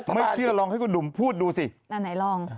ไม่เชื่อลองไงดุมพูดดูสิยังไหนล้อง